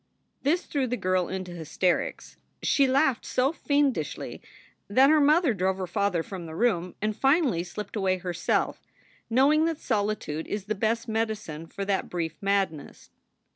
This threw the girl into hysterics. She laughed so fiend ishly that her mother drove her father from the room, and finally slipped away herself, knowing that solitude is the best medicine for that brief madness.